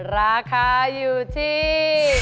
ราคาอยู่ที่